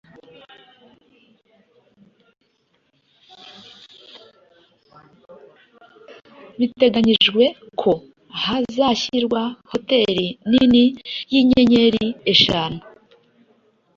biteganyijwe ko hazashyirwa hoteli nini y’inyenyeri eshanu,